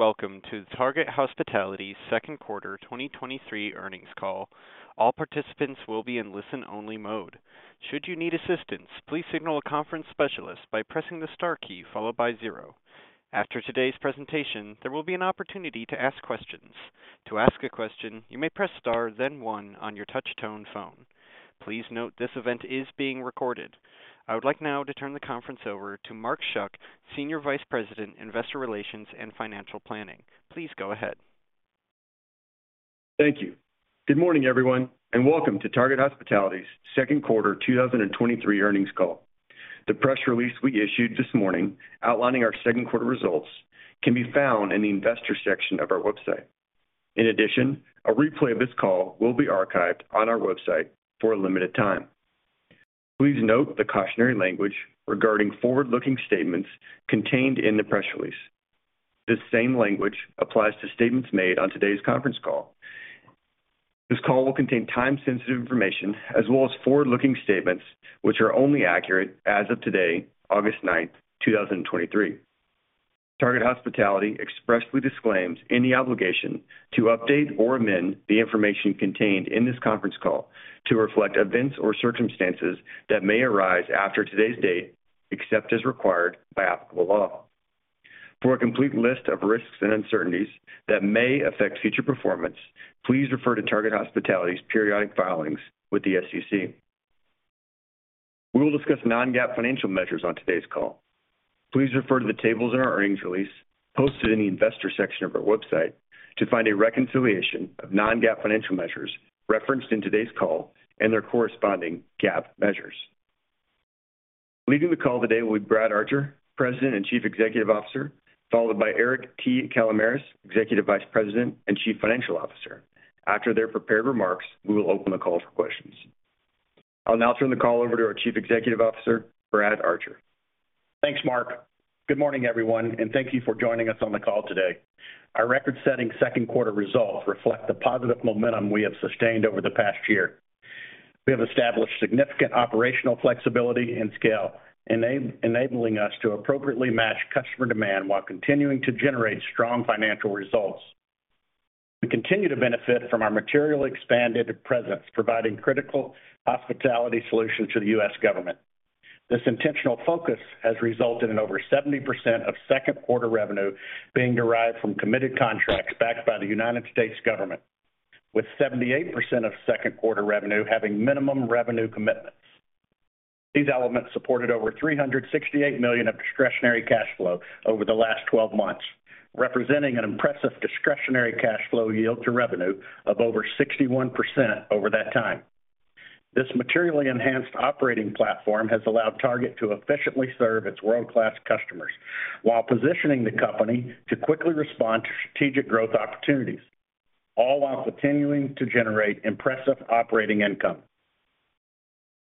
Hello, welcome to Target Hospitality's second quarter 2023 earnings call. All participants will be in listen-only mode. Should you need assistance, please signal a conference specialist by pressing the star key followed by 0. After today's presentation, there will be an opportunity to ask questions. To ask a question, you may press Star, then 1 on your touch tone phone. Please note this event is being recorded. I would like now to turn the conference over to Mark Schuck, Senior Vice President, Investor Relations and Financial Planning. Please go ahead. Thank you. Good morning, everyone, and welcome to Target Hospitality's second quarter 2023 earnings call. The press release we issued this morning outlining our second quarter results can be found in the investor section of our website. In addition, a replay of this call will be archived on our website for a limited time. Please note the cautionary language regarding forward-looking statements contained in the press release. This same language applies to statements made on today's conference call. This call will contain time-sensitive information as well as forward-looking statements, which are only accurate as of today, August ninth, 2023. Target Hospitality expressly disclaims any obligation to update or amend the information contained in this conference call to reflect events or circumstances that may arise after today's date, except as required by applicable law. For a complete list of risks and uncertainties that may affect future performance, please refer to Target Hospitality's periodic filings with the SEC. We will discuss non-GAAP financial measures on today's call. Please refer to the tables in our earnings release, posted in the investor section of our website, to find a reconciliation of non-GAAP financial measures referenced in today's call and their corresponding GAAP measures. Leading the call today will be Brad Archer, President and Chief Executive Officer, followed by Eric T. Kalamaras, Executive Vice President and Chief Financial Officer. After their prepared remarks, we will open the call for questions. I'll now turn the call over to our Chief Executive Officer, Brad Archer. Thanks, Mark. Good morning, everyone, and thank you for joining us on the call today. Our record-setting second quarter results reflect the positive momentum we have sustained over the past year. We have established significant operational flexibility and scale, enabling us to appropriately match customer demand while continuing to generate strong financial results. We continue to benefit from our materially expanded presence, providing critical hospitality solutions to the U.S. Government. This intentional focus has resulted in over 70% of second quarter revenue being derived from committed contracts backed by the United States Government, with 78% of second quarter revenue having minimum revenue commitments. These elements supported over $368 million of Discretionary Cash Flow over the last 12 months, representing an impressive Discretionary Cash Flow yield to revenue of over 61% over that time. This materially enhanced operating platform has allowed Target to efficiently serve its world-class customers while positioning the company to quickly respond to strategic growth opportunities, all while continuing to generate impressive operating income.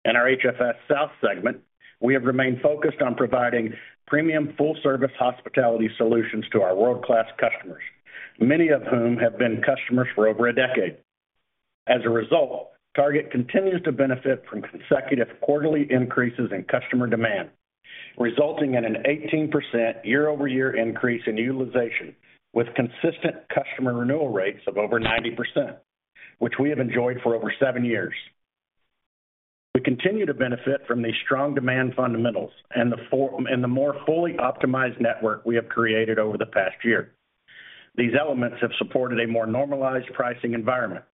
In our HFS South segment, we have remained focused on providing premium full-service hospitality solutions to our world-class customers, many of whom have been customers for over a decade. As a result, Target continues to benefit from consecutive quarterly increases in customer demand, resulting in an 18% year-over-year increase in utilization, with consistent customer renewal rates of over 90%, which we have enjoyed for over 7 years. We continue to benefit from these strong demand fundamentals and the more fully optimized network we have created over the past year. These elements have supported a more normalized pricing environment,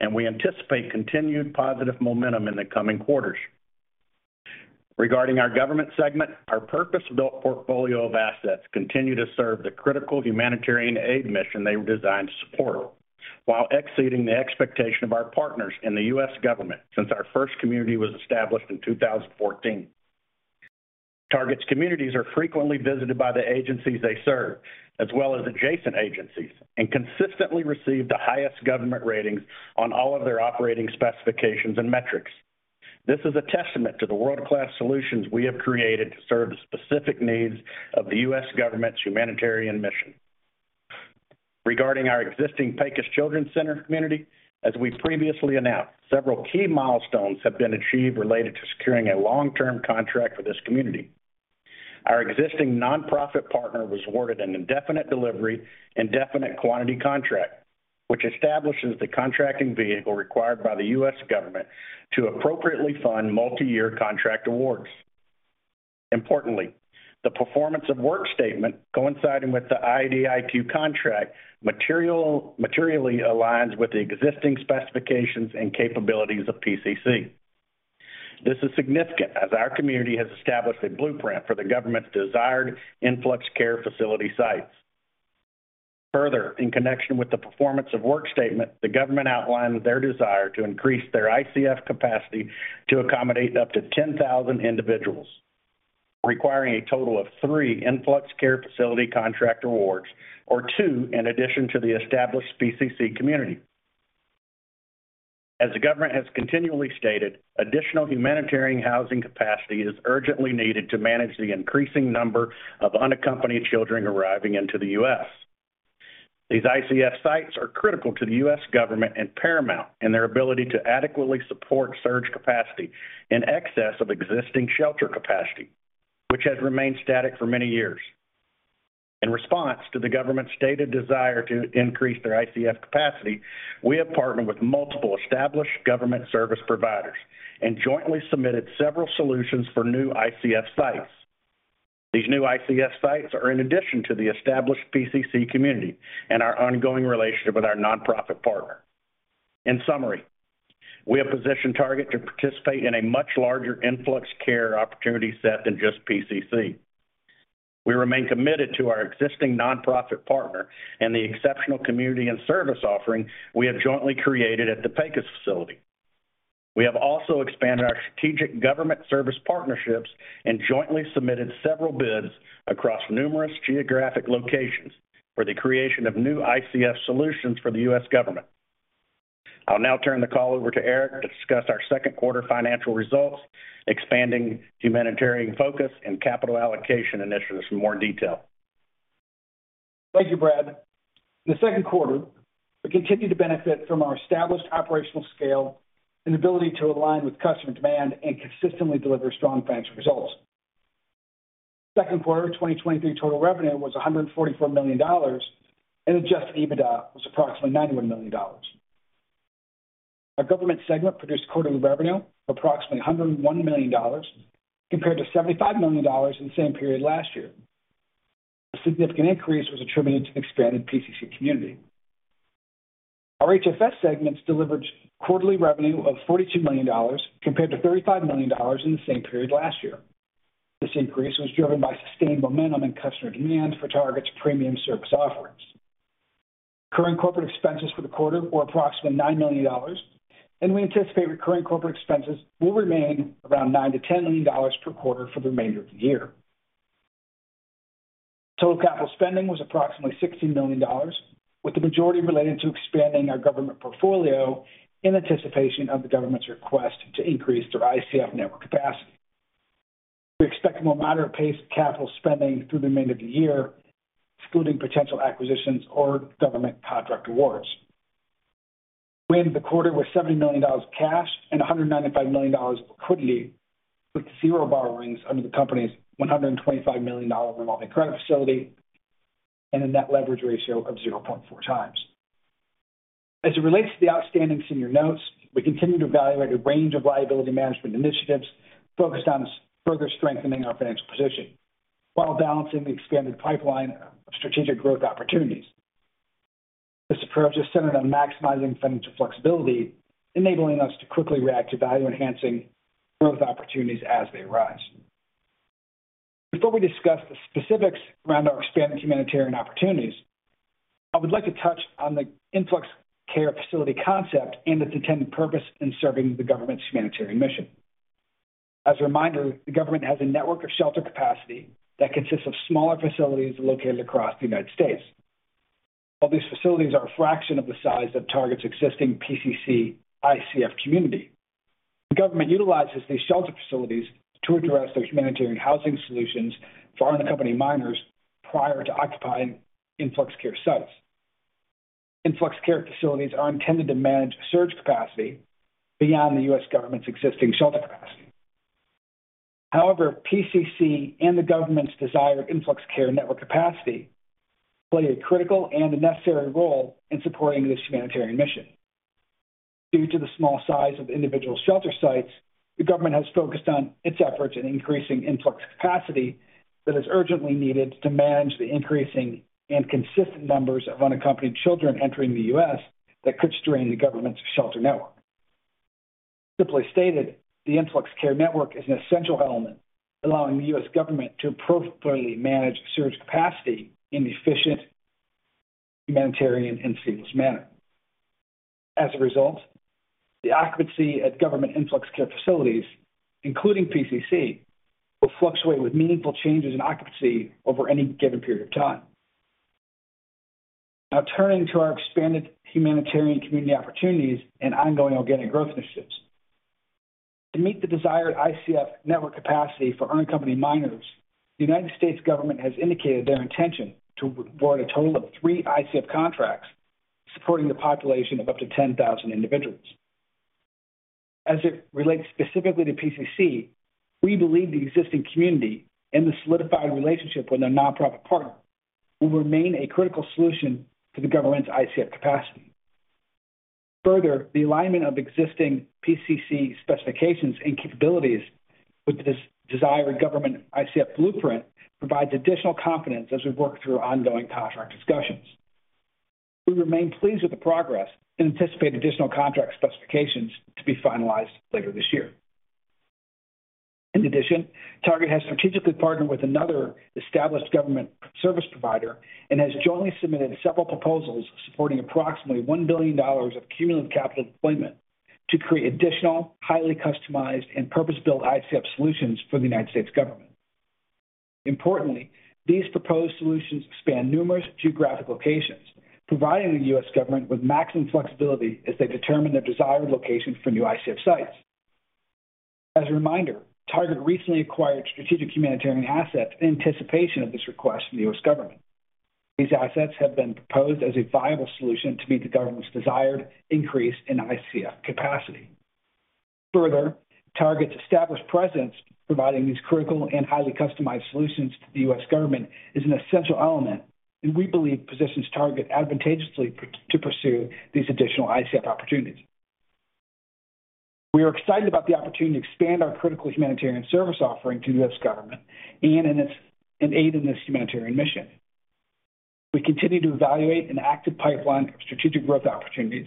and we anticipate continued positive momentum in the coming quarters. Regarding our government segment, our purpose-built portfolio of assets continue to serve the critical humanitarian aid mission they were designed to support, while exceeding the expectation of our partners in the U.S. Government since our first community was established in 2014. Target's communities are frequently visited by the agencies they serve, as well as adjacent agencies, and consistently receive the highest government ratings on all of their operating specifications and metrics. This is a testament to the world-class solutions we have created to serve the specific needs of the U.S. Government's humanitarian mission. Regarding our existing PECOS Children's Center community, as we previously announced, several key milestones have been achieved related to securing a long-term contract for this community. Our existing nonprofit partner was awarded an indefinite-delivery, indefinite-quantity contract, which establishes the contracting vehicle required by the U.S. Government to appropriately fund multi-year contract awards. Importantly, the performance of work statement coinciding with the IDIQ contract materially aligns with the existing specifications and capabilities of PCC. This is significant as our community has established a blueprint for the government's desired influx care facility sites. Further, in connection with the performance of work statement, the government outlined their desire to increase their ICF capacity to accommodate up to 10,000 individuals, requiring a total of 3 influx care facility contract awards, or 2, in addition to the established PCC community. As the government has continually stated, additional humanitarian housing capacity is urgently needed to manage the increasing number of unaccompanied children arriving into the U.S. These ICF sites are critical to the U.S. Government and paramount in their ability to adequately support surge capacity in excess of existing shelter capacity, which has remained static for many years. In response to the government's stated desire to increase their ICF capacity, we have partnered with multiple established government service providers and jointly submitted several solutions for new ICF sites. These new ICF sites are in addition to the established PCC community and our ongoing relationship with our nonprofit partner. In summary, we have positioned Target to participate in a much larger influx care opportunity set than just PCC. We remain committed to our existing nonprofit partner and the exceptional community and service offering we have jointly created at the PECOS facility. We have also expanded our strategic government service partnerships and jointly submitted several bids across numerous geographic locations for the creation of new ICF solutions for the U.S. Government. I'll now turn the call over to Eric to discuss our second quarter financial results, expanding humanitarian focus, and capital allocation initiatives in more detail. Thank you, Brad. In the second quarter, we continued to benefit from our established operational scale and ability to align with customer demand and consistently deliver strong financial results. Second quarter of 2023 total revenue was $144 million, and adjusted EBITDA was approximately $91 million. Our government segment produced quarterly revenue of approximately $101 million, compared to $75 million in the same period last year. The significant increase was attributed to expanded PCC community. Our HFS segments delivered quarterly revenue of $42 million, compared to $35 million in the same period last year. This increase was driven by sustained momentum in customer demand for Target's premium service offerings. Current corporate expenses for the quarter were approximately $9 million, and we anticipate recurring corporate expenses will remain around $9 million-$10 million per quarter for the remainder of the year. Total capital spending was approximately $60 million, with the majority related to expanding our government portfolio in anticipation of the government's request to increase their ICF network capacity. We expect a more moderate pace of capital spending through the remainder of the year, excluding potential acquisitions or government contract awards. We ended the quarter with $70 million of cash and $195 million of liquidity, with zero borrowings under the company's $125 million revolving credit facility and a net leverage ratio of 0.4x. As it relates to the outstanding senior notes, we continue to evaluate a range of liability management initiatives focused on further strengthening our financial position while balancing the expanded pipeline of strategic growth opportunities. This approach is centered on maximizing financial flexibility, enabling us to quickly react to value-enhancing growth opportunities as they arise. Before we discuss the specifics around our expanding humanitarian opportunities, I would like to touch on the influx care facility concept and its intended purpose in serving the Government's humanitarian mission. As a reminder, the Government has a network of shelter capacity that consists of smaller facilities located across the United States. While these facilities are a fraction of the size of Target's existing PCC ICF community, the Government utilizes these shelter facilities to address their humanitarian housing solutions for unaccompanied children prior to occupying influx care sites. Influx care facilities are intended to manage surge capacity beyond the U.S. Government's existing shelter capacity. However, PCC and the government's desired influx care network capacity play a critical and necessary role in supporting this humanitarian mission. Due to the small size of individual shelter sites, the government has focused on its efforts in increasing influx capacity that is urgently needed to manage the increasing and consistent numbers of unaccompanied children entering the U.S. that could strain the government's shelter network. Simply stated, the influx care network is an essential element, allowing the U.S. Government to appropriately manage surge capacity in an efficient, humanitarian, and seamless manner. As a result, the occupancy at government influx care facilities, including PCC, will fluctuate with meaningful changes in occupancy over any given period of time. Now, turning to our expanded humanitarian community opportunities and ongoing organic growth initiatives. To meet the desired ICF network capacity for unaccompanied children, the United States government has indicated their intention to award a total of 3 ICF contracts supporting the population of up to 10,000 individuals. As it relates specifically to PCC, we believe the existing community and the solidified relationship with their nonprofit partner will remain a critical solution to the government's ICF capacity. Further, the alignment of existing PCC specifications and capabilities with this desired government ICF blueprint provides additional confidence as we work through ongoing contract discussions. We remain pleased with the progress and anticipate additional contract specifications to be finalized later this year. In addition, Target has strategically partnered with another established government service provider and has jointly submitted several proposals supporting approximately $1 billion of cumulative capital deployment to create additional, highly customized, and purpose-built ICF solutions for the United States government. Importantly, these proposed solutions span numerous geographic locations, providing the U.S. Government with maximum flexibility as they determine their desired locations for new ICF sites. As a reminder, Target recently acquired strategic humanitarian assets in anticipation of this request from the U.S. Government. These assets have been proposed as a viable solution to meet the Government's desired increase in ICF capacity. Further, Target's established presence, providing these critical and highly customized solutions to the U.S. Government, is an essential element, and we believe positions Target advantageously to pursue these additional ICF opportunities. We are excited about the opportunity to expand our critical humanitarian service offering to the U.S. Government and aid in this humanitarian mission. We continue to evaluate an active pipeline of strategic growth opportunities.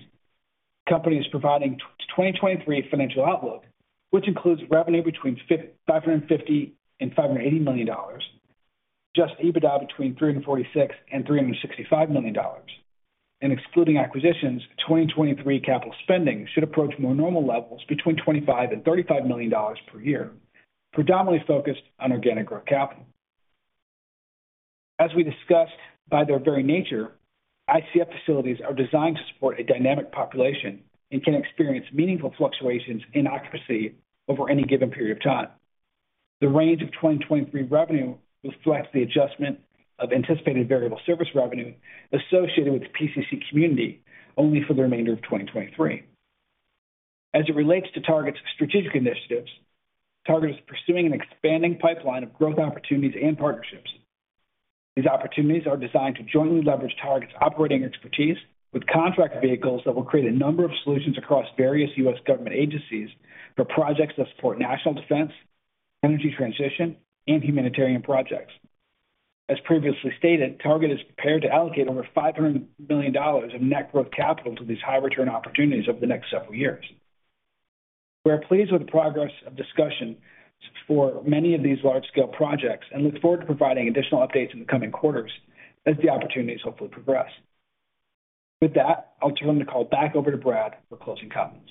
Company is providing 2023 financial outlook, which includes revenue between $550 million and $580 million, just EBITDA between $346 million and $365 million. Excluding acquisitions, 2023 capital spending should approach more normal levels between $25 million and $35 million per year, predominantly focused on organic growth capital. As we discussed, by their very nature, ICF facilities are designed to support a dynamic population and can experience meaningful fluctuations in occupancy over any given period of time. The range of 2023 revenue reflects the adjustment of anticipated variable service revenue associated with the PCC community only for the remainder of 2023. As it relates to Target's strategic initiatives, Target is pursuing an expanding pipeline of growth opportunities and partnerships. These opportunities are designed to jointly leverage Target's operating expertise with contract vehicles that will create a number of solutions across various U.S. Government agencies for projects that support national defense, energy transition, and humanitarian projects. As previously stated, Target is prepared to allocate over $500 million of net growth capital to these high return opportunities over the next several years. We are pleased with the progress of discussions for many of these large-scale projects and look forward to providing additional updates in the coming quarters as the opportunities hopefully progress. With that, I'll turn the call back over to Brad for closing comments.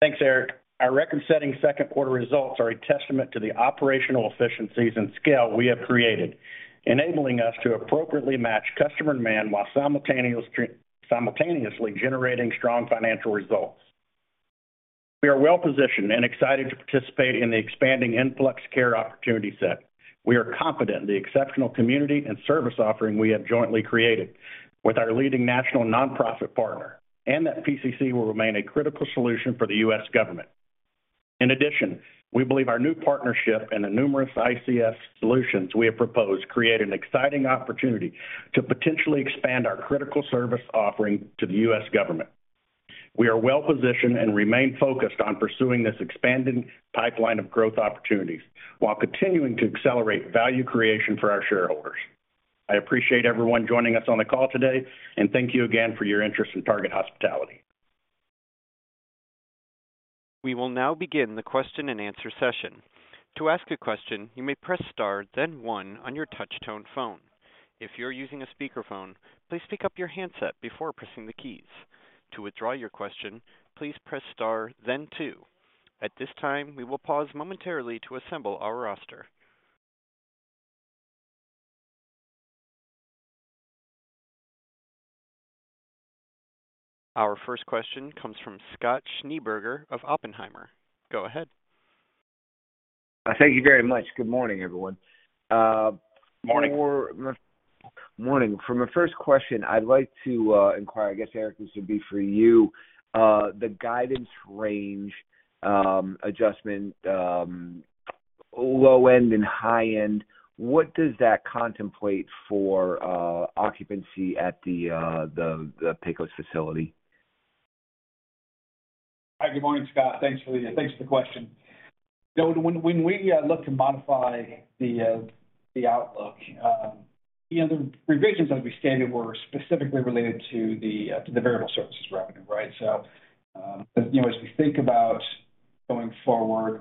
Thanks, Eric. Our record-setting second quarter results are a testament to the operational efficiencies and scale we have created, enabling us to appropriately match customer demand while simultaneously generating strong financial results. We are well positioned and excited to participate in the expanding influx care opportunity set. We are confident in the exceptional community and service offering we have jointly created with our leading national nonprofit partner, and that PCC will remain a critical solution for the U.S. Government. In addition, we believe our new partnership and the numerous ICF solutions we have proposed create an exciting opportunity to potentially expand our critical service offering to the U.S. Government. We are well positioned and remain focused on pursuing this expanding pipeline of growth opportunities while continuing to accelerate value creation for our shareholders. I appreciate everyone joining us on the call today, and thank you again for your interest in Target Hospitality. We will now begin the question and answer session. To ask a question, you may press Star, then One on your touch tone phone. If you're using a speakerphone, please pick up your handset before pressing the keys. To withdraw your question, please press Star, then Two. At this time, we will pause momentarily to assemble our roster. Our first question comes from Scott Schneeberger of Oppenheimer. Go ahead. Thank you very much. Good morning, everyone. Morning. Morning. For my first question, I'd like to inquire, I guess, Eric, this would be for you. The guidance range, adjustment, low end and high end, what does that contemplate for occupancy at the PECOS facility? Hi, good morning, Scott. Thanks for the, thanks for the question. When, when we look to modify the outlook, you know, the revisions as we stated, were specifically related to the variable services revenue, right? As we think about going forward,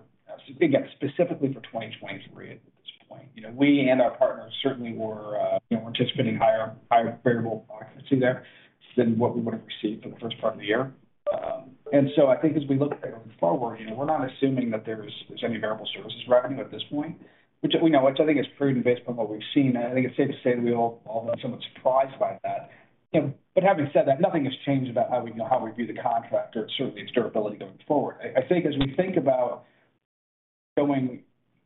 again, specifically for 2023 at this point, you know, we and our partners certainly were, you know, anticipating higher, higher variable occupancy there than what we would have received for the first part of the year. I think as we look going forward, you know, we're not assuming that there's, there's any variable services revenue at this point, which we know, which I think is prudent based upon what we've seen. I think it's safe to say that we all, all been somewhat surprised by that. You know, having said that, nothing has changed about how we, how we view the contract or certainly its durability going forward. I think as we think about going,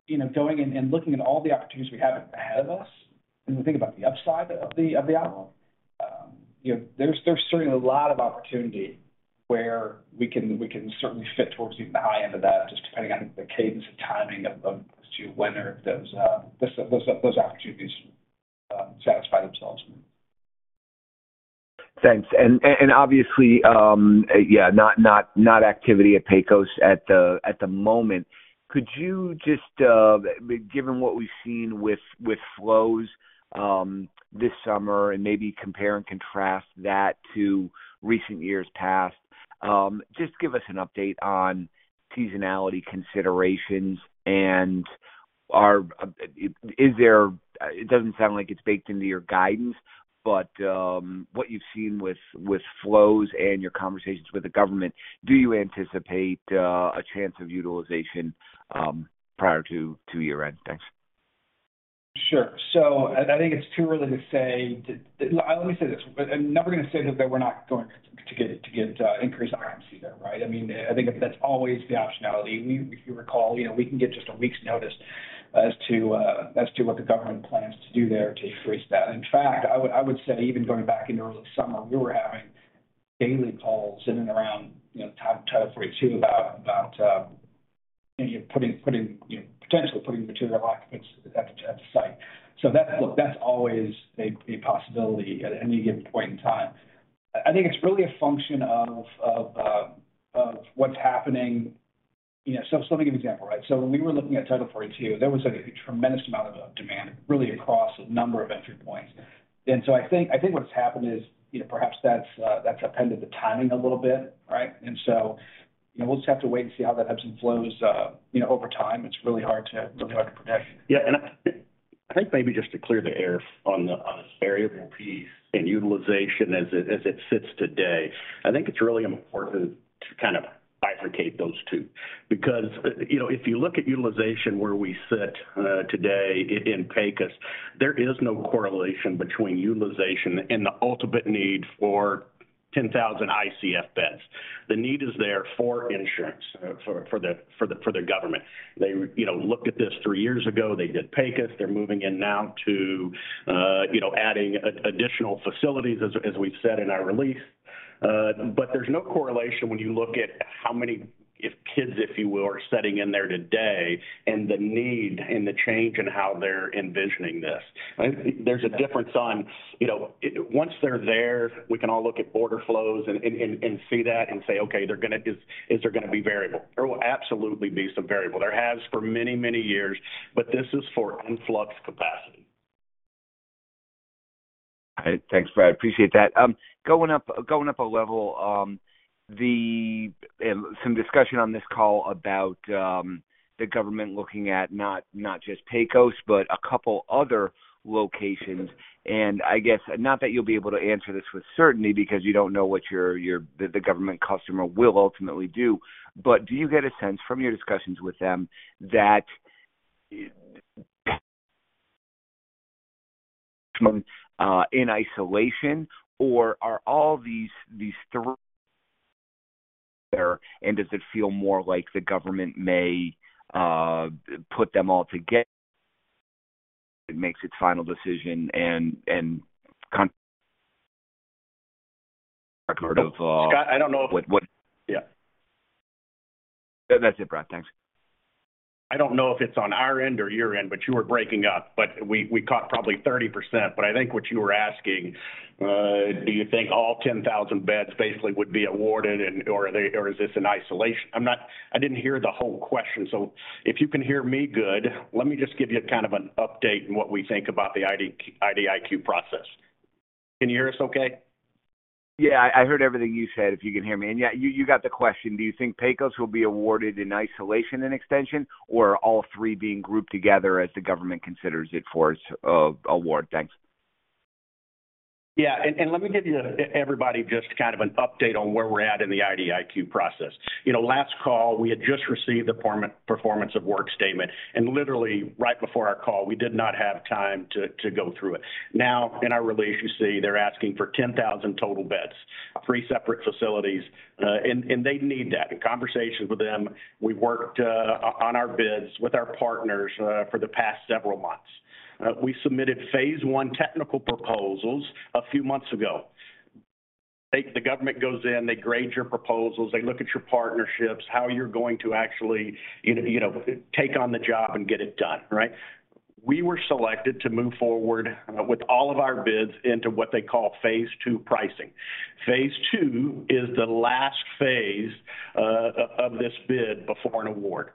you know, going and, and looking at all the opportunities we have ahead of us, and we think about the upside of the, of the outlook, you know, there's, there's certainly a lot of opportunity where we can, we can certainly fit towards even the high end of that, just depending on the cadence and timing of, as to when or if those opportunities, satisfy themselves. Thanks. And, and obviously, yeah, not, not, not activity at PECOS at the moment. Could you just, given what we've seen with, with flows, this summer, and maybe compare and contrast that to recent years past, just give us an update on seasonality considerations, Is there, it doesn't sound like it's baked into your guidance, but what you've seen with, with flows and your conversations with the government, do you anticipate a chance of utilization prior to year-end? Thanks. Sure. I think it's too early to say that. Let me say this. I'm never gonna say that we're not going to get increased RMC there, right? I mean, I think that's always the optionality. We, if you recall, you know, we can get just a week's notice as to what the government plans to do there to increase that. In fact, I would say even going back in the early summer, we were having daily calls in and around, you know, Title 42, about putting, you know, potentially putting material occupants at the site. That's, look, that's always a possibility at any given point in time. I think it's really a function of what's happening. You know, let me give you an example, right? When we were looking at Title 42, there was, like, a tremendous amount of demand, really across a number of entry points. I think, I think what's happened is, you know, perhaps that's, that's upended the timing a little bit, right? You know, we'll just have to wait and see how that ebbs and flows, you know, over time. It's really hard to, really hard to predict. Yeah, I, I think maybe just to clear the air on the, on this variable piece and utilization as it, as it sits today, I think it's really important to kind of bifurcate those two. You know, if you look at utilization where we sit today in PECOS, there is no correlation between utilization and the ultimate need for 10,000 ICF beds. The need is there for insurance, for, for the, for the, for the Government. They, you know, looked at this 3 years ago. They did PECOS. They're moving in now to, you know, adding additional facilities, as, as we've said in our release. There's no correlation when you look at how many, if kids, if you will, are sitting in there today, and the need and the change in how they're envisioning this. I think there's a difference on, you know, once they're there, we can all look at order flows and see that and say, "Okay, they're gonna be variable?" There will absolutely be some variable. There has for many, many years, but this is for influx capacity. All right. Thanks, Brad. I appreciate that. Going up, going up a level, the some discussion on this call about the Government looking at not, not just PECOS, but a couple other locations. I guess, not that you'll be able to answer this with certainty, because you don't know what your, your, the Government customer will ultimately do. Do you get a sense from your discussions with them that, in isolation, or are all these, these three there, and does it feel more like the Government may, put them all together? It makes its final decision. Scott, I don't know- What? Yeah. That's it, Brad. Thanks. I don't know if it's on our end or your end, but you were breaking up, but we, we caught probably 30%. I think what you were asking, do you think all 10,000 beds basically would be awarded, and, or are they, or is this in isolation? I didn't hear the whole question, so if you can hear me good, let me just give you kind of an update on what we think about the IDIQ process. Can you hear us okay? Yeah, I heard everything you said, if you can hear me. Yeah, you, you got the question. Do you think PECOS will be awarded in isolation and extension, or all three being grouped together as the government considers it for its award? Thanks. Yeah, let me give you, everybody, just kind of an update on where we're at in the IDIQ process. You know, last call, we had just received the performance of work statement, and literally right before our call, we did not have time to go through it. In our release, you see they're asking for 10,000 total beds, 3 separate facilities, and they need that. In conversations with them, we've worked on our bids with our partners for the past several months. We submitted Phase 1 technical proposals a few months ago. The Government goes in, they grade your proposals, they look at your partnerships, how you're going to actually, you know, take on the job and get it done, right? We were selected to move forward with all of our bids into what they call Phase 2 pricing. Phase 2 is the last phase of this bid before an award.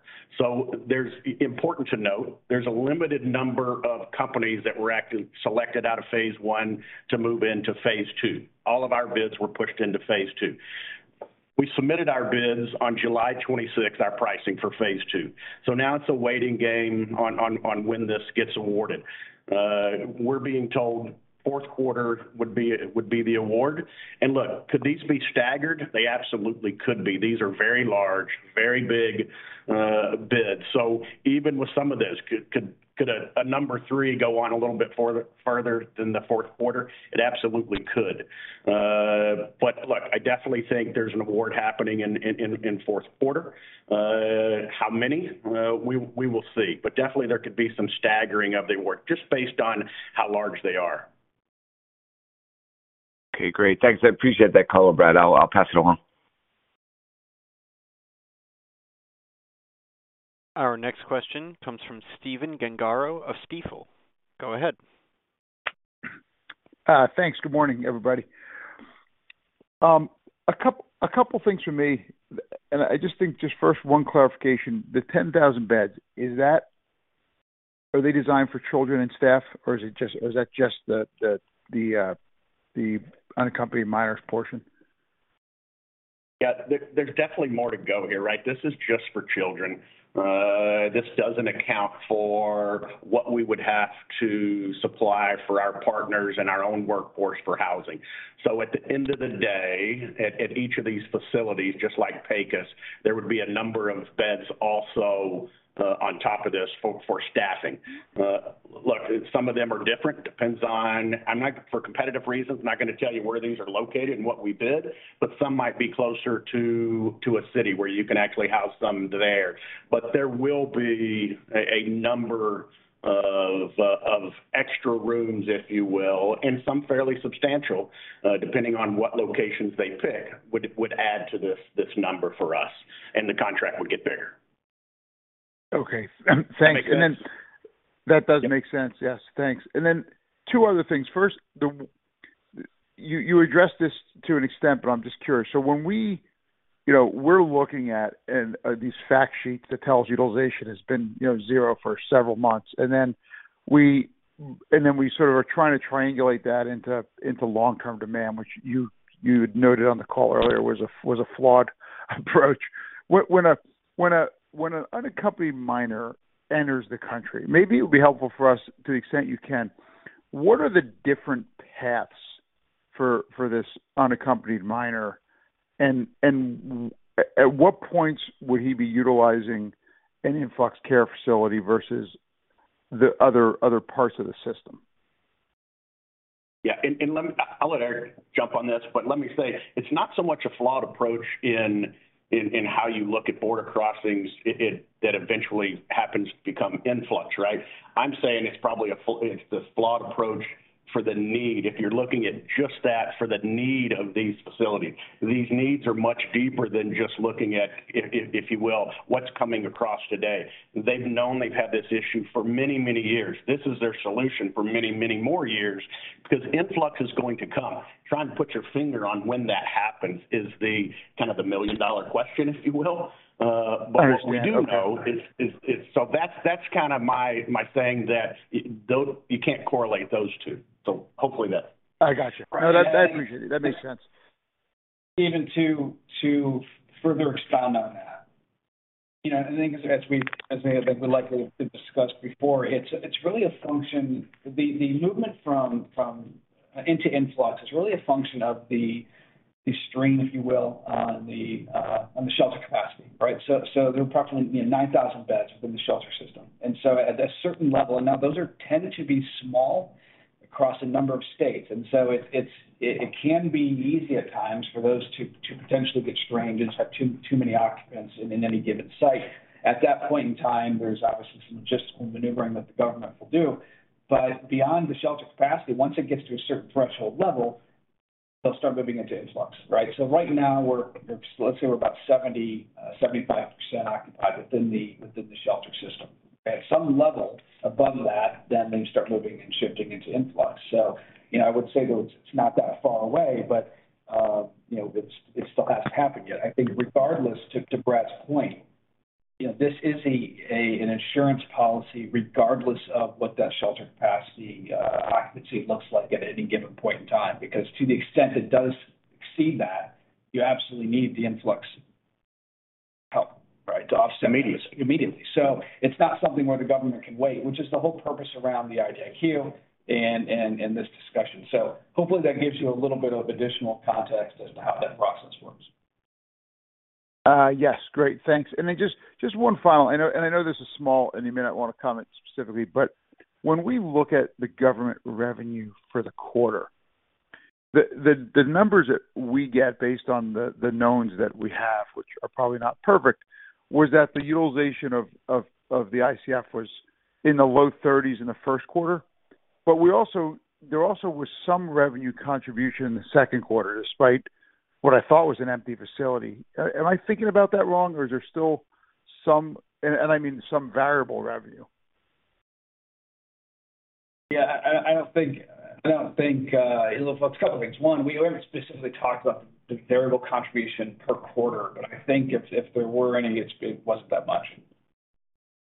There's. Important to note, there's a limited number of companies that were actually selected out of Phase 1 to move into Phase 2. All of our bids were pushed into Phase 2. We submitted our bids on July 26, our pricing for Phase 2. Now it's a waiting game on when this gets awarded. We're being told fourth quarter would be, would be the award. Look, could these be staggered? They absolutely could be. These are very large, very big bids. Even with some of this, could a number 3 go on a little bit farther, farther than the fourth quarter? It absolutely could. Look, I definitely think there's an award happening in, in, in, in fourth quarter. How many? We, we will see. Definitely there could be some staggering of the award just based on how large they are. Okay, great. Thanks. I appreciate that call, Brad. I'll, I'll pass it along. Our next question comes from Stephen Gengaro of Stifel. Go ahead. Thanks. Good morning, everybody. A couple things for me. I just think just first, one clarification. The 10,000 beds, is that, are they designed for children and staff, or is it just, or is that just the, the, the unaccompanied children portion? Yeah. There, there's definitely more to go here, right? This is just for children. This doesn't account for what we would have to supply for our partners and our own workforce for housing. At the end of the day, at, at each of these facilities, just like PECOS, there would be a number of beds also on top of this for, for staffing. Look, some of them are different. Depends on. I'm not, for competitive reasons, I'm not gonna tell you where these are located and what we bid, but some might be closer to, to a city where you can actually house some there. There will be a number of extra rooms, if you will, and some fairly substantial, depending on what locations they pick, would, would add to this number for us, and the contract would get bigger. Okay. Thanks. Make sense? Then that does make sense. Yes. Thanks. Then two other things. First, you, you addressed this to an extent, but I'm just curious. When we, you know, we're looking at, and, these fact sheets that tells utilization has been, you know, zero for several months, and then we, and then we sort of are trying to triangulate that into, into long-term demand, which you, you had noted on the call earlier was a, was a flawed approach. When a, when a, when an unaccompanied minor enters the country, maybe it would be helpful for us, to the extent you can, what are the different paths for this unaccompanied minor? And at, at what points would he be utilizing any influx care facility versus the other parts of the system? Yeah, I'll let Eric jump on this, but let me say, it's not so much a flawed approach in how you look at border crossings. It, that eventually happens to become influx, right? I'm saying it's probably a flawed, it's the flawed approach for the need. If you're looking at just that for the need of these facilities. These needs are much deeper than just looking at, if you will, what's coming across today. They've known they've had this issue for many, many years. This is their solution for many, many more years, because influx is going to come. Trying to put your finger on when that happens is the kind of the million-dollar question, if you will. I understand. What we do know is, that's kind of my saying that, you can't correlate those two. Hopefully that. I got you. Right. No, that, I appreciate it. That makes sense. Even to further expand on that, you know, I think as we likely to discuss before, it's really a function. The movement from into Influx is really a function of the strain, if you will, on the shelter capacity, right? There are approximately 9,000 beds within the shelter system, and so at a certain level. Now those are tended to be small across a number of states, and so it's, it can be easy at times for those to potentially get strained and have too many occupants in any given site. At that point in time, there's obviously some logistical maneuvering that the government will do. Beyond the shelter capacity, once it gets to a certain threshold level, they'll start moving into Influx, right? Right now, we're, let's say we're about 75% occupied within the, within the shelter system. At some level above that, they start moving and shifting into Influx. You know, I would say that it's not that far away, but, you know, it's, it still hasn't happened yet. I think regardless, to, to Brad's point, you know, this is a, a, an insurance policy, regardless of what that shelter capacity, occupancy looks like at any given point in time, because to the extent it does exceed that, you absolutely need the Influx help, right? To offset- Immediately. Immediately. It's not something where the government can wait, which is the whole purpose around the IDIQ and, and, and this discussion. Hopefully that gives you a little bit of additional context as to how that process works. Yes. Great, thanks. Then just, just one final, and I, and I know this is small, and you may not want to comment specifically, but when we look at the government revenue for the quarter, the, the, the numbers that we get based on the, the knowns that we have, which are probably not perfect, was that the utilization of, of, of the ICF was in the low 30s in the first quarter. We also, there also was some revenue contribution in the second quarter, despite what I thought was an empty facility. Am I thinking about that wrong, or is there still some, I mean, some variable revenue? Yeah, I, I, I don't think, I don't think. Well, a couple of things. One, we haven't specifically talked about the variable contribution per quarter, but I think if, if there were any, it's, it wasn't that much.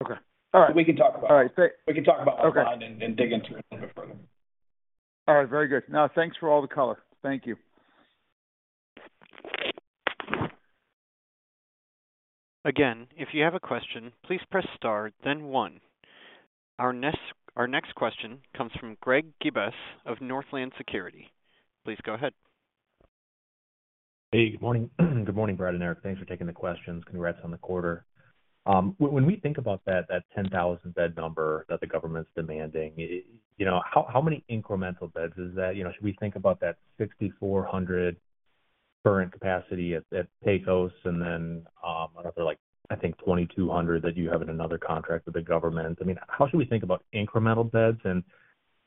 Okay. All right. We can talk about it. All right, great. We can talk about it offline. Okay. Dig into it a little bit further. All right. Very good. Now, thanks for all the color. Thank you. Again, if you have a question, please press Star, then One. Our next, our next question comes from Greg Gibas of Northland Securities. Please go ahead. Hey, good morning. Good morning. Brad and Eric. Thanks for taking the questions. Congrats on the quarter. When we think about that, that 10,000 bed number that the government's demanding, you know, how, how many incremental beds is that? You know, should we think about that 6,400 current capacity at, at PECOS and then, another, like, I think, 2,200 that you have in another contract with the government? I mean, how should we think about incremental beds?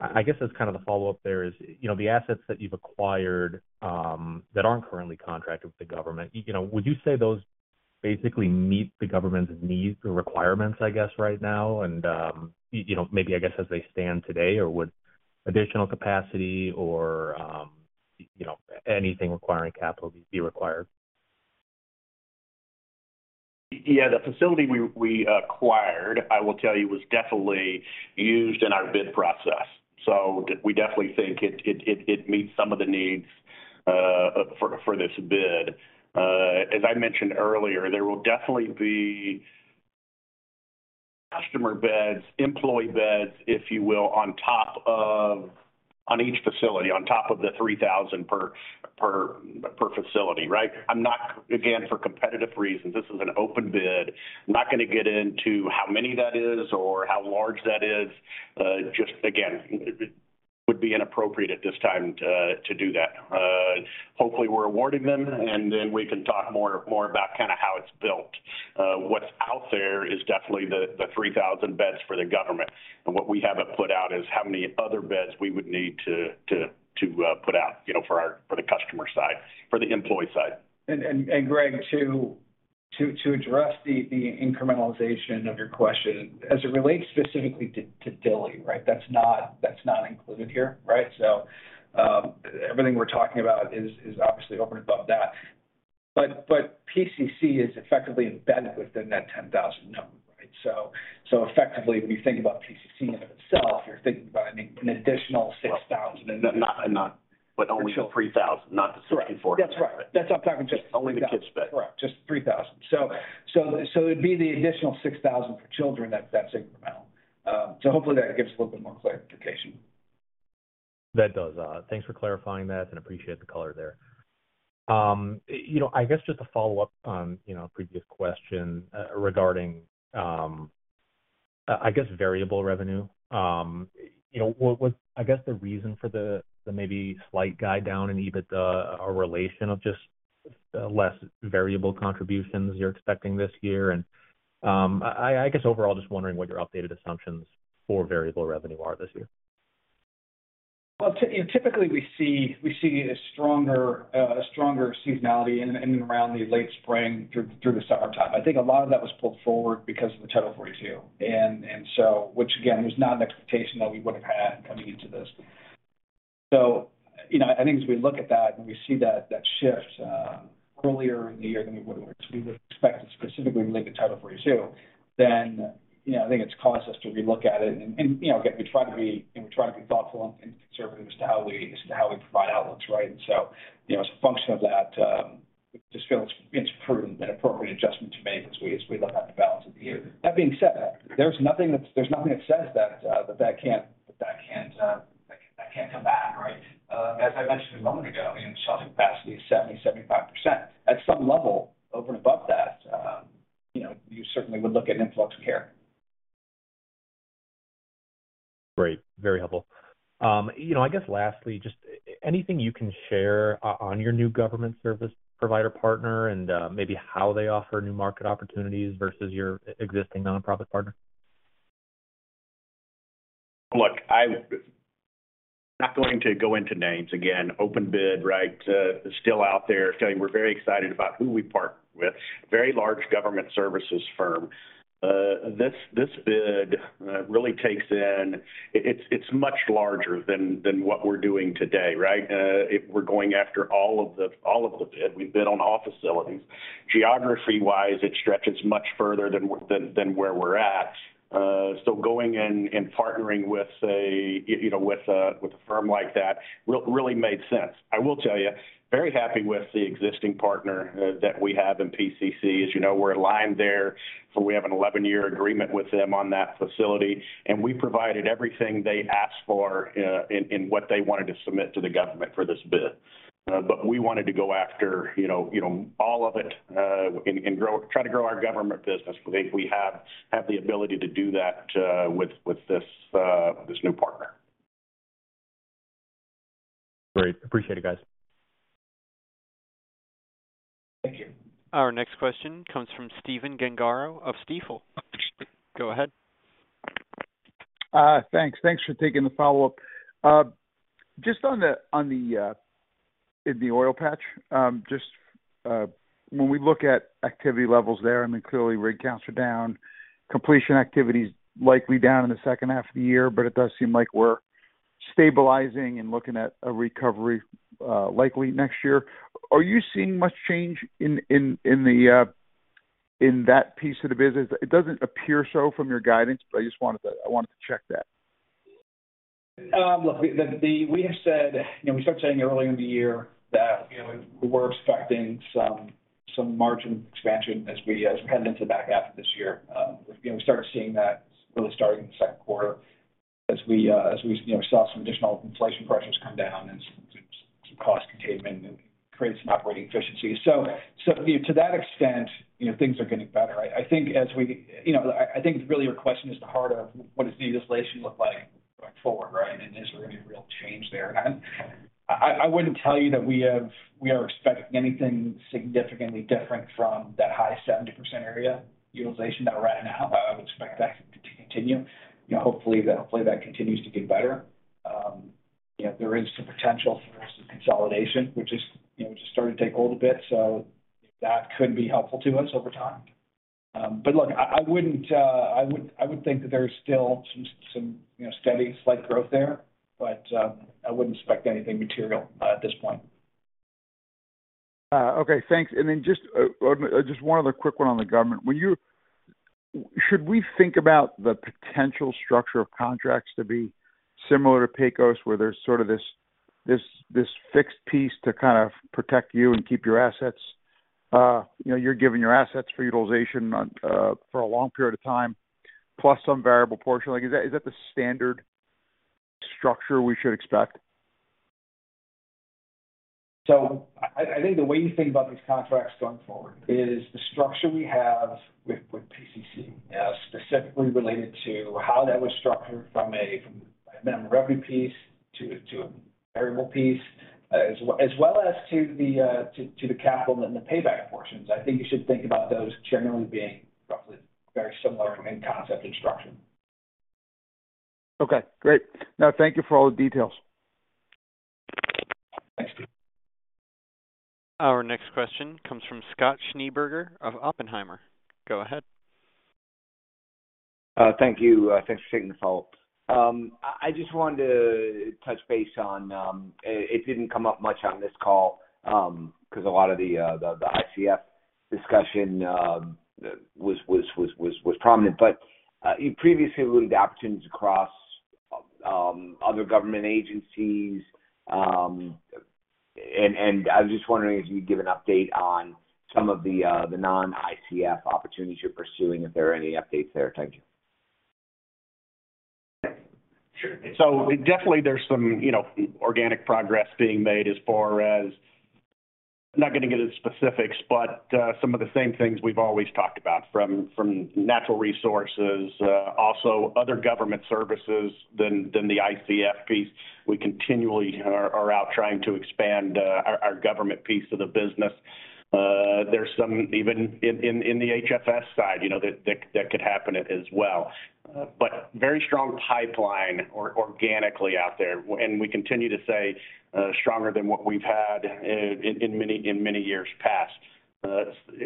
I guess that's kind of the follow-up there is, you know, the assets that you've acquired, that aren't currently contracted with the government, you know, would you say those basically meet the government's needs or requirements, I guess, right now? You, you know, maybe, I guess, as they stand today, or would additional capacity or, you know, anything requiring capital be required? Yeah, the facility we, we acquired, I will tell you, was definitely used in our bid process. We definitely think it, it, it, it meets some of the needs for this bid. As I mentioned earlier, there will definitely be customer beds, employee beds, if you will, on each facility, on top of the 3,000 per, per, per facility, right? I'm not, again, for competitive reasons, this is an open bid. I'm not gonna get into how many that is or how large that is. Just again, it would be inappropriate at this time to, to do that. Hopefully, we're awarding them, and then we can talk more, more about kind of how it's built. What's out there is definitely the, the 3,000 beds for the U.S. Government, and what we haven't put out is how many other beds we would need to put out, you know, for our, for the customer side, for the employee side. Greg, to address the incrementalization of your question, as it relates specifically to Dilley, right? That's not included here, right? Everything we're talking about is obviously over and above that. PCC is effectively embedded within that 10,000 number, right? Effectively, if you think about PCC in of itself, you're thinking about an additional 6,000- Not, not, but only the 3,000, not the 64. That's right. That's I'm talking just-. Only the kids bed. Correct. Just 3,000. It'd be the additional 6,000 for children, that's that same amount. Hopefully that gives a little bit more clarification. That does. Thanks for clarifying that and appreciate the color there. You know, I guess just to follow up on, you know, previous question, regarding, I guess, variable revenue. You know, what was, I guess, the reason for the, the maybe slight guide down in EBITDA or relation of just, less variable contributions you're expecting this year? I, I guess, overall, just wondering what your updated assumptions for variable revenue are this year. Well, typically, we see, we see a stronger, a stronger seasonality in and around the late spring through, through the summertime. I think a lot of that was pulled forward because of Title 42. Which again, was not an expectation that we would have had coming into this. You know, I think as we look at that and we see that, that shift, earlier in the year than we would, we would expect to specifically link Title 42, then, you know, I think it's caused us to relook at it. You know, again, we try to be and we try to be thoughtful and conservative as to how we, as to how we provide outlooks, right? You know, as a function of that, we just feel it's, it's prudent and appropriate adjustment to make as we, as we look at the balance of the year. That being said, there's nothing that there's nothing that says that, that, that can't, that can't, that can't come back, right? As I mentioned a moment ago, I mean, shelter capacity is 70%, 75%. At some level, over and above that, you know, you certainly would look at an influx of care. Great. Very helpful. you know, I guess lastly, just anything you can share, on, on your new government service provider partner and maybe how they offer new market opportunities versus your existing nonprofit partner? Look, I'm not going to go into names. Again, open bid, right? still out there. I tell you, we're very excited about who we partnered with. Very large government services firm. this bid, really takes in... It's much larger than what we're doing today, right? we're going after all of the, all of the bid. We bid on all facilities. Geography-wise, it stretches much further than we're, than where we're at. so going in and partnering with, say, you know, with a, with a firm like that, really made sense. I will tell you, very happy with the existing partner, that we have in PCC. As you know, we're aligned there, so we have an 11-year agreement with them on that facility, and we provided everything they asked for, in, in what they wanted to submit to the government for this bid. We wanted to go after, you know, you know, all of it, and, and try to grow our government business. We think we have the ability to do that, with, with this, with this new partner. Great. Appreciate it, guys. Thank you. Our next question comes from Stephen Gengaro of Stifel. Go ahead. Thanks. Thanks for taking the follow-up. Just on the, on the, in the oil patch, when we look at activity levels there, I mean, clearly, rig counts are down, completion activity is likely down in the second half of the year. It does seem like we're stabilizing and looking at a recovery, likely next year. Are you seeing much change in, in, in the, in that piece of the business? It doesn't appear so from your guidance. I just wanted to check that. Look, we have said, you know, we started saying earlier in the year that, you know, we're expecting some, some margin expansion as we, as we head into the back half of this year. You know, we started seeing that really starting in the second quarter as we, as we, you know, saw some additional inflation pressures come down and some, some, some cost containment and create some operating efficiencies. You know, to that extent, you know, things are getting better. I, I think as we. You know, I, I think really your question is the heart of what does de-inflation look like going forward, right? Is there any real change there? I, I wouldn't tell you that we are expecting anything significantly different from that high 70% area utilization that we're at now. I would expect that to continue. You know, hopefully, that, hopefully, that continues to get better. You know, there is some potential for some consolidation, which is, you know, just starting to take hold a bit, so that could be helpful to us over time. Look, I, I wouldn't, I would, I would think that there is still some, some, you know, steady, slight growth there, but, I wouldn't expect anything material, at this point. Okay, thanks. Just one other quick one on the government. Should we think about the potential structure of contracts to be similar to PECOS, where there's sort of this fixed piece to kind of protect you and keep your assets?... you know, you're giving your assets for utilization on, for a long period of time, plus some variable portion. Like, is that, is that the standard structure we should expect? I, I think the way you think about these contracts going forward is the structure we have with, with PCC, specifically related to how that was structured from a, from a minimum revenue piece to, to a variable piece, as well, as well as to the, to, to the capital and the payback portions. I think you should think about those generally being roughly very similar in concept and structure. Okay, great. No, thank you for all the details. Thanks. Our next question comes from Scott Schneeberger of Oppenheimer. Go ahead. Thank you. I just wanted to touch base on, it didn't come up much on this call, because alot of the ICF discussion was prominent, but previously with options across the government agencies, and I just wanted to give an update on some of the non-ICF opportunities you're pursuing. Is there an update there? Thank you. Sure. Definitely there's some, you know, organic progress being made as far as... I'm not gonna get into specifics, but, some of the same things we've always talked about, from, from natural resources, also other government services than, than the ICF piece. We continually are, are out trying to expand, our, our government piece of the business. There's some even in, in, in the HFS side, you know, that, that, that could happen as well. Very strong pipeline organically out there, and we continue to say, stronger than what we've had in, in many, in many years past.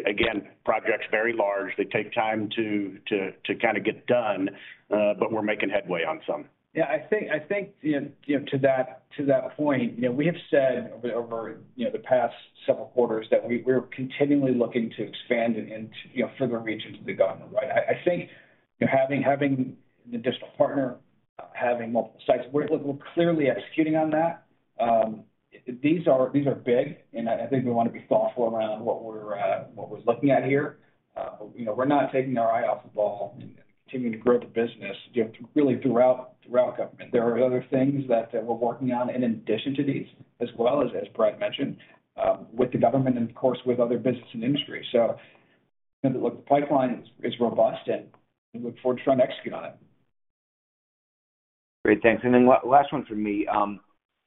Again, project's very large. They take time to, to, to kind of get done, but we're making headway on some. Yeah, I think, I think, you know, you know, to that, to that point, you know, we have said over, over, you know, the past several quarters that we're continually looking to expand into, you know, further regions of the Government, right? I, I think, you know, having, having the digital partner, having multiple sites, we're, look, we're clearly executing on that. These are, these are big, and I, I think we wanna be thoughtful around what we're what we're looking at here. You know, we're not taking our eye off the ball and continuing to grow the business, you know, really throughout, throughout Government. There are other things that we're working on in addition to these, as well as, as Brad mentioned, with the Government and, of course, with other business and industry. look, the pipeline is robust, and we look forward to trying to execute on it. Great, thanks. Then one last one from me.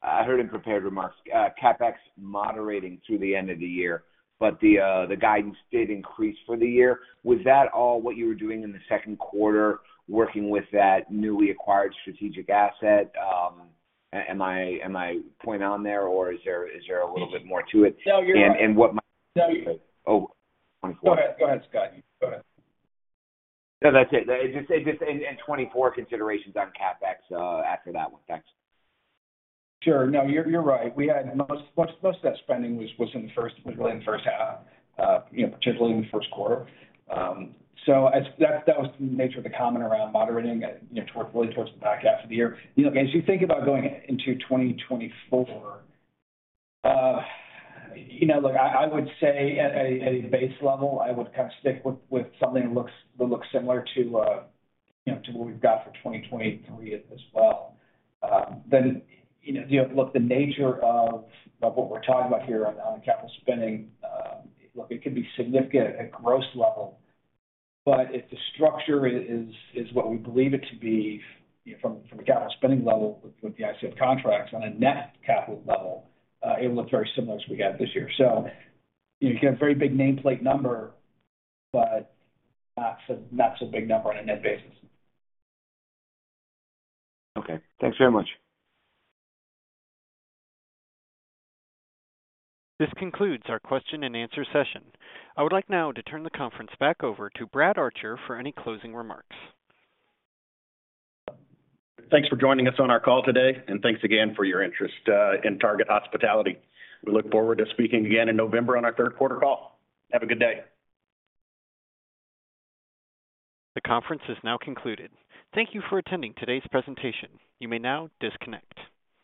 I heard in prepared remarks, CapEx moderating through the end of the year, but the guidance did increase for the year. Was that all what you were doing in the second quarter, working with that newly acquired strategic asset? Am I, am I point on there, or is there, is there a little bit more to it? No, you're right. What might- No. Oh, 2024. Go ahead, go ahead, Scott. Go ahead. No, that's it. Just, just, and, and 24 considerations on CapEx, after that one. Thanks. Sure. No, you're, you're right. We had most, most, most of that spending was, was in the first, was really in the first half, you know, particularly in the first quarter. So as that, that was the nature of the comment around moderating, you know, towards, really towards the back half of the year. You know, as you think about going into 2024, you know, look, I, I would say at a, a base level, I would kind of stick with, with something that looks, that looks similar to, you know, to what we've got for 2023 as well. You know, look, the nature of, of what we're talking about here on, on capital spending, look, it could be significant at gross level, but if the structure is, is what we believe it to be, you know, from, from a capital spending level with, with the ICF contracts on a net capital level, it looks very similar to what we got this year. You get a very big nameplate number, but not so, not so big number on a net basis. Okay. Thanks very much. This concludes our question and answer session. I would like now to turn the conference back over to Brad Archer for any closing remarks. Thanks for joining us on our call today, and thanks again for your interest in Target Hospitality. We look forward to speaking again in November on our third quarter call. Have a good day. The conference is now concluded. Thank you for attending today's presentation. You may now disconnect.